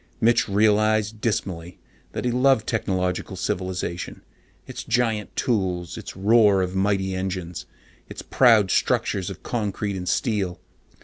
Mitch realized dismally that he loved technological civilization, its giant tools, its roar of mighty engines, its proud structures of concrete and steel.